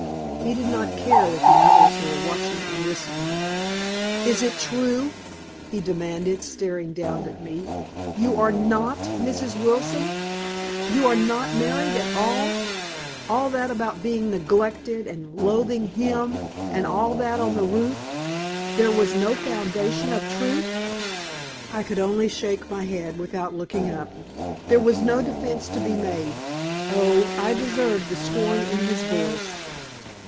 He did not care that the others were watching and listening. "Is it true?" he demanded, staring down at me. "You are NOT Mrs. Wilson? You are not married at all? All that about being neglected and loathing HIM, and all that on the roof there was no foundation of truth?" I could only shake my head without looking up. There was no defense to be made. Oh, I deserved the scorn in his voice.